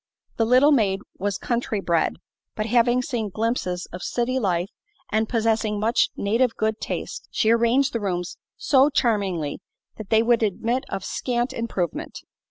The little maid was country bred, but having seen glimpses of city life and possessing much native good taste, she arranged the rooms so charmingly that they would admit of scant improvement.